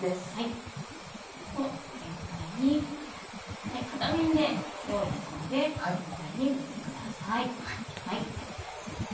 全体に片面でよいですので全体に振ってください。